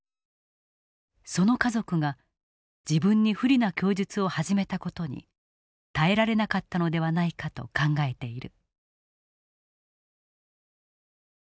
その家族が自分に不利な供述を始めた事に耐えられなかったのではないかと考えている。